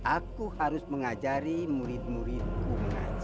aku harus mengajari murid muridku